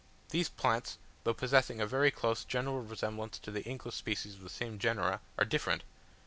These plants, though possessing a very close general resemblance to the English species of the same genera, are different.